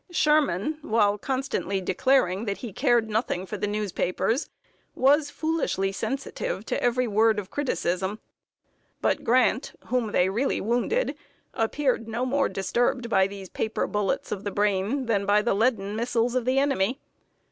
Sherman, while constantly declaring that he cared nothing for the newspapers, was foolishly sensitive to every word of criticism. But Grant, whom they really wounded, appeared no more disturbed by these paper bullets of the brain than by the leaden missiles of the enemy.